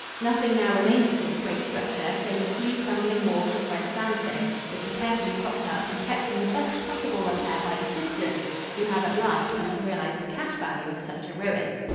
Nothing now remains of this great structure save a few crumbling walls of red sandstone, which are carefully propped up and kept in the best possible repair by the citizens, who have at last come to realize the cash value of such a ruin.